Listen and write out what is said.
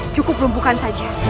cukup rumpukan saja